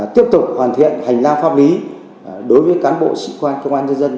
tiếp tục hoàn thiện hành lang pháp lý đối với cán bộ sĩ quan công an nhân dân